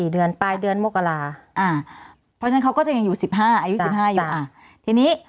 ๔เดือนไปเดือนโมกลาเพราะฉะนั้นเขาก็จะยังอยู่๕อยู่ทีนี้